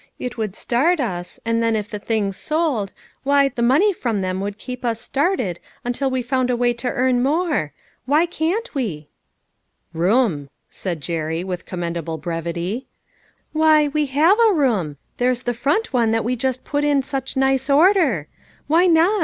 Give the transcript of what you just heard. It would start us, and then if the things sold, why, the money from, them would keep us started until we found a way to earn more. Why can't we ?" "Room," said Jerry, with commendable brevity. " Why, we have a room ; there's the front one that we just put in such nice order. READY TO TEY. 339 Why not?